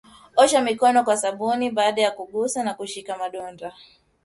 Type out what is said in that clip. Osha mikono kwa sabuni baada ya kugusa au kushika madonda